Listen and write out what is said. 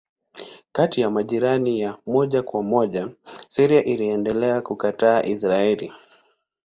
Kati ya majirani ya moja kwa moja Syria iliendelea kukataa Israeli.